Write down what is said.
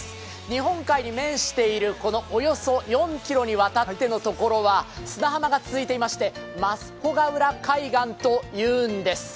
日本海に面しているおよそ４ｋｍに渡ってのところは砂浜が続いていまして、増穂浦海岸というんです。